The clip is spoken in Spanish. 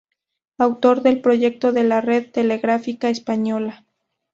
Autor del proyecto de la red telegráfica española.